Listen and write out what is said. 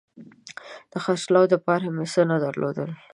د خرڅلاو دپاره مې څه نه درلودل